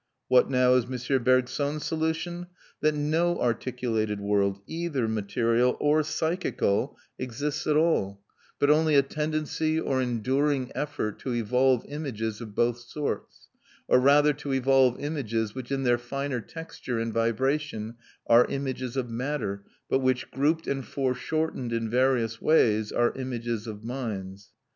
What now is M. Bergson's solution? That no articulated world, either material or psychical, exists at all, but only a tendency or enduring effort to evolve images of both sorts; or rather to evolve images which in their finer texture and vibration are images of matter, but which grouped and foreshortened in various ways are images of minds.